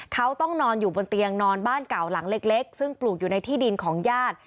เขาต้องนอนอยู่บนเตียงนอนบ้านเก่าหลังเล็กซึ่งปลูกอยู่ในที่ดินของญาติ